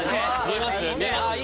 見えます？